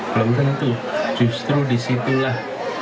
belum tentu justru disitulah